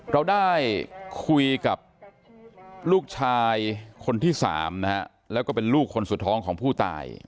เราได้คุยกับลูกชายคนที่สามนะฮะแล้วก็เป็นลูกคนสุดท้องของผู้ตาย